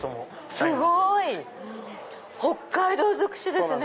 すごい！北海道尽くしですね。